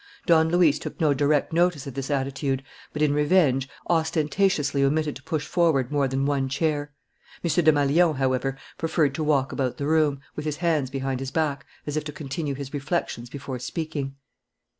Don Luis took no direct notice of this attitude, but, in revenge, ostentatiously omitted to push forward more than one chair. M. Desmalions, however, preferred to walk about the room, with his hands behind his back, as if to continue his reflections before speaking.